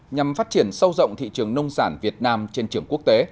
nhằm phát triển sâu rộng thị trường nông sản việt nam trên trường quốc tế